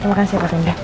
terima kasih pak tindak